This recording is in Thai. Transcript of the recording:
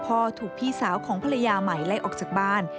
พ่อถูกพี่สาวของภรรยาใหม่ไล่ออกจากบ้าน